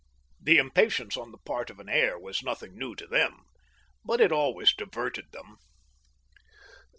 " 8 THE STEEL HAMMER. This impatience on the part of an heir was nothing new to them, but it always diverted them.